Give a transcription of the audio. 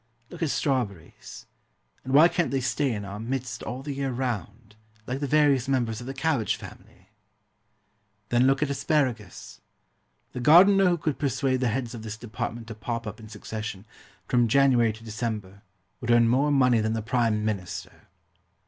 Look at strawberries; and why can't they stay in our midst all the year round, like the various members of the cabbage family? Then look at ASPARAGUS. The gardener who could persuade the heads of this department to pop up in succession, from January to December would earn more money than the Prime Minister.